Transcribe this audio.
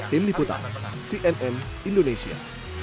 tim liputan cnn indonesia